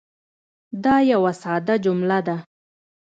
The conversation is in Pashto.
دا یوه ساده جمله ده.